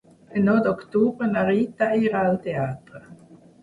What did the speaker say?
El nou d'octubre na Rita irà al teatre.